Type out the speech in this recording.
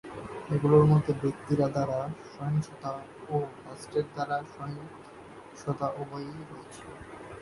এগুলোর মধ্যে "ব্যক্তির" দ্বারা সহিংসতা ও "রাষ্ট্রের" দ্বারা সহিংসতা উভয়ই রয়েছে।।